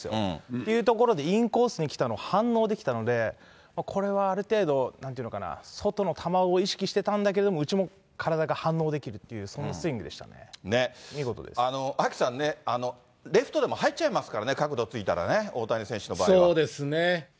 というところで、インコースに来たの、反応できたので、これはある程度、なんていうのかな、外の球を意識してたんだけど、内も体が反応できるという、そんなアキさんね、レフトでも入っちゃいますからね、角度ついたらね、大谷選手の場合そうですね。